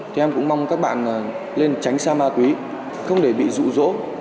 thì em cũng mong các bạn lên tránh xa ma túy không để bị dụ dỗ